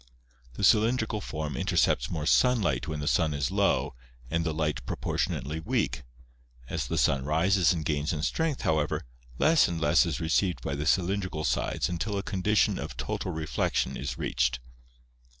The cylindrical form intercepts more sunlight when the sun is low and the light proportionately weak; as the sun rises and gains in strength, how ever, less and less is received by the cylindrical sides until a condi tion of total reflection is reached.